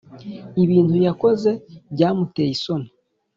ibintu yakoze byamuteye isoni